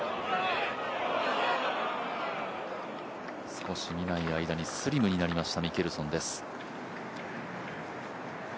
少し見ない間にスリムになりました、ミケルソンです。